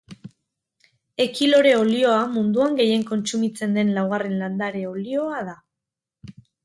Ekilore olioa munduan gehien kontsumitzen den laugarren landare olioa da.